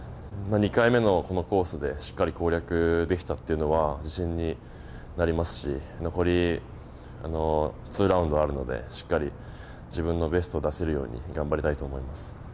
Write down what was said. ２回目のこのコースでしっかりと攻略できたというのは自信になりますし、残り２ラウンドあるのでしっかり自分のベストを出せるように頑張りたいと思います。